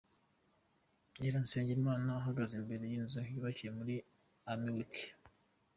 Nyiransengimana ahagaze imbere y’inzu yubakiwe muri Army week.